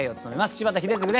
柴田英嗣です。